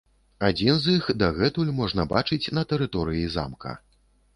Адзін з іх дагэтуль можна бачыць на тэрыторыі замка.